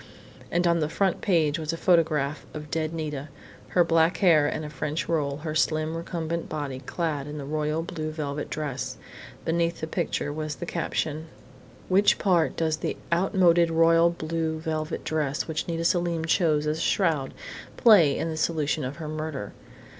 And on the front page was a photograph of dead Nita, her black hair in a French roll, her slim, recumbent body clad in the royal blue velvet dress. Beneath the picture was the caption: "What part does the outmoded royal blue velvet dress which Nita Selim chose as a shroud play in the solution of her murder?...